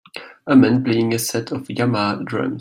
A man playing a set of Yamaha drums.